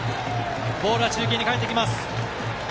ボールは中継にかえってきます。